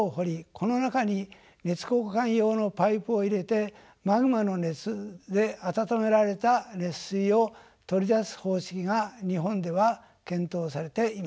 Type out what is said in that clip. この中に熱交換用のパイプを入れてマグマの熱で温められた熱水を取り出す方式が日本では検討されています。